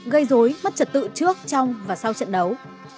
gây dối mất trật tự trước trong và sau trận đấu